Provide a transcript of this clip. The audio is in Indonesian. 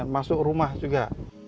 masuk rumah juga